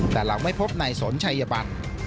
แต่เราไม่พบไหนสนชัยบัน